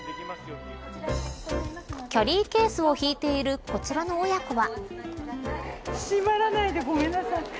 キャリーケースを引いているこちらの親子は。